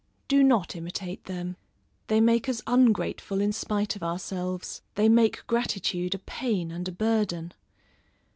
Do not imitate them: they make us ungrateful in spite of ourselves, they make gratitude a pain and a burden.